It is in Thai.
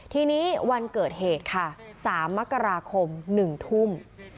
ทีนี้วันเกิดเหตุค่ะ๓มกราคม๑ทุ่ม